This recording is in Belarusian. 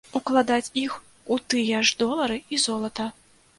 Укладаць іх у тыя ж долары і золата.